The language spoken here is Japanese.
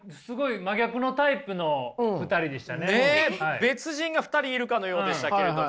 別人が２人いるかのようでしたけれども。